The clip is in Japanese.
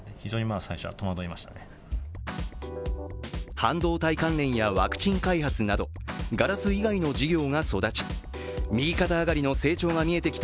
半導体関連やワクチン開発などガラス以外の事業が育ち右肩上がりの成長が見えてきた